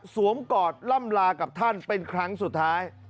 กอดล่ำลากับท่านเป็นครั้งสุดท้าย